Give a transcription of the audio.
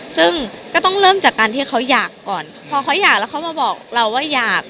ซึ่งก็ต้องเริ่มจากการที่เขาอยากก่อนพอเขาอยากแล้วเขามาบอกเราว่าอยาก